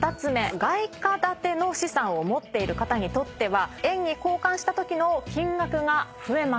外貨建ての資産を持っている方にとっては円に交換したときの金額が増えます。